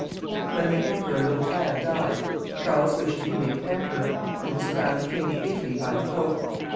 49 When the Emperor Lothaire died, Charles wished to be made emperor, and was crowned King of Italy by the Pope.